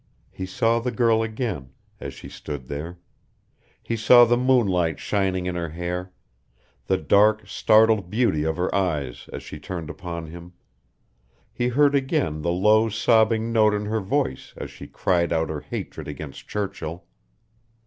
He saw the girl again, as she stood there; he saw the moonlight shining in her hair, the dark, startled beauty of her eyes as she turned upon him; he heard again the low sobbing note in her voice as she cried out her hatred against Churchill.